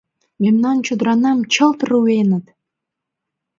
— Мемнан чодыранам чылт руэныт!